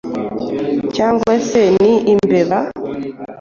Cyangwa se Ni Imbeba